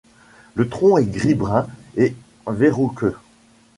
Le tronc est gris-brun et verruqueux.